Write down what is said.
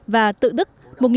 và tự đức